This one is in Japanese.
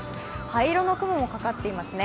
灰色の雲もかかっていますね。